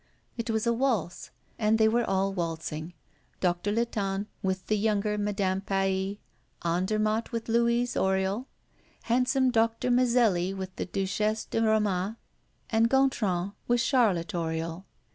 It was a waltz; and they were all waltzing Doctor Latonne with the younger Madame Paille, Andermatt with Louise Oriol, handsome Doctor Mazelli with the Duchesse de Ramas, and Gontran with Charlotte Oriol.